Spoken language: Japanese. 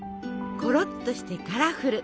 ころっとしてカラフル！